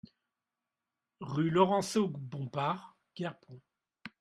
Rue Laurenceau Bompard, Guerpont